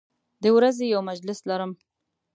د ورځې یو مجلس لرم